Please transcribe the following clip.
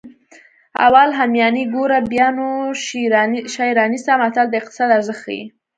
اول همیانۍ ګوره بیا نو شی رانیسه متل د اقتصاد ارزښت ښيي